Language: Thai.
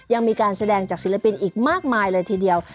ยังมีการแสดงจากศิลปินอีกมากมายเลยทีเดียว